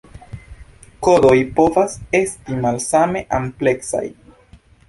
Kodoj povas esti malsame ampleksaj.